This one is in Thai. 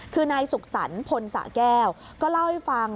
คือนายสุขสรรค์พลสะแก้วก็เล่าให้ฟัง